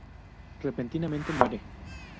Repentinamente muere.